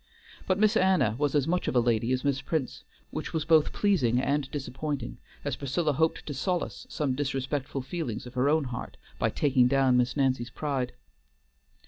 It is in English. But Miss Anna was as much of a lady as Miss Prince, which was both pleasing and disappointing, as Priscilla hoped to solace some disrespectful feelings of her own heart by taking down Miss Nancy's pride.